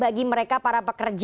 bagi mereka para pekerja